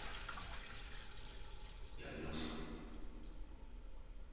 やり直そう。